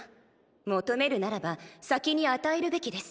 求めるならば先に与えるべきです。